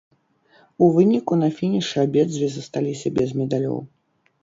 У выніку на фінішы абедзве засталіся без медалёў.